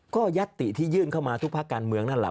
ก็ยัตติที่ยื่นเข้ามาทุกภาคการเมืองนั่นแหละ